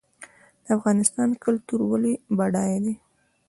د افغانستان کلتور ولې بډای دی؟